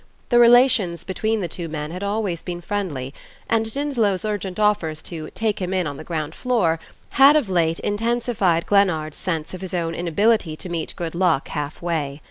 The relations between the two men had always been friendly, and Dinslow's urgent offers to "take him in on the ground floor" had of late intensified Glennard's sense of his own inability to meet good luck half way.